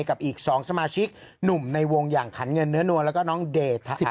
กับอีก๒สมาชิกหนุ่มในวงอย่างขันเงินเนื้อนวลแล้วก็น้องเดช